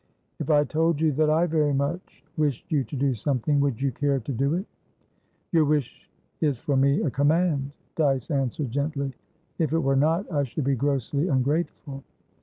"If I told you that I very much wished you to do something, would you care to do it?" "Your wish is for me a command," Dyce answered gently. "If it were not, I should be grossly ungrateful."